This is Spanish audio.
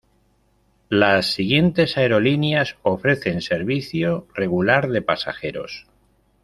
Las siguientes aerolíneas ofrecen servicio regular de pasajeros.